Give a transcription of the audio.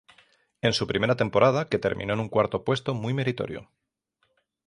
En su primera temporada que terminó en un cuarto puesto muy meritorio.